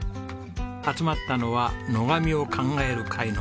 集まったのは「野上を考える会」のメンバー。